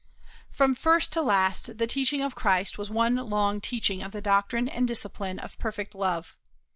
From first to last the teaching of Christ was one long teaching of the doctrine and discipline of perfect love.